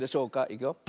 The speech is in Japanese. いくよ。